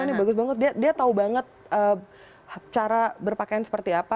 ini bagus banget dia tau banget cara berpakaian seperti apa